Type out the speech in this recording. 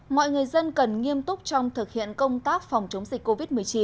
mọi người dân cần nghiêm túc trong thực hiện công tác phòng chống dịch covid một mươi chín